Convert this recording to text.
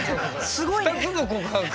「２つの告白」